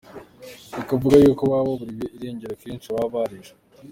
Bakavuga yuko ababa baraburiwe irengero kenshi baba barishwe.